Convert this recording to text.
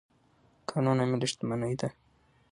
کانونه ملي شتمني ده.